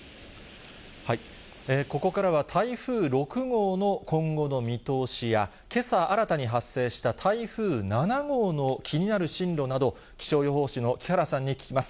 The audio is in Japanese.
ここから台風６号の今後の見通しや、けさ新たに発生した台風７号の気になる進路など、気象予報士の木原さんに聞きます。